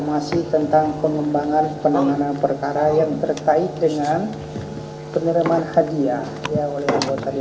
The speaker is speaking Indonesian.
assalamu'alaikum warahmatullahi wabarakatuh